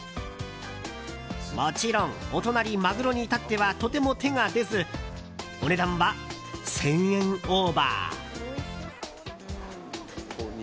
もちろん、お隣マグロに至ってはとても手が出ずお値段は１０００円オーバー。